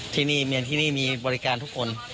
ทรีย์นี้มาที่นี้มีออริการทุกคน